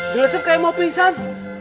dilesep kayak mau pingsan